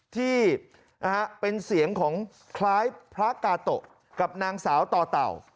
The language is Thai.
ที่เป็นเสียงของคล้ายพระกาโตะกับนางสาวต่อเต่า